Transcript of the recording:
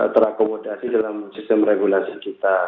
terakomodasi dalam sistem regulasi kita